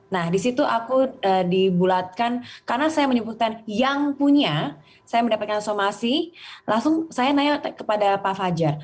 nah disitu aku dibulatkan karena saya menyebutkan yang punya saya mendapatkan somasi langsung saya nanya kepada pak fajar